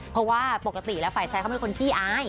เพราะว่าปกติแล้วฝ่ายชายเขาไม่ควรที่อาย